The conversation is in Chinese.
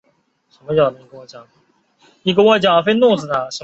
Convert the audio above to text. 以下各型号请分别参见其主题条目。